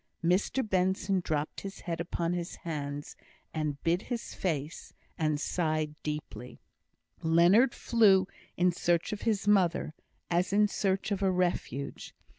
Mr Benson dropped his head upon his hands, and hid his face, and sighed deeply. Leonard flew in search of his mother, as in search of a refuge.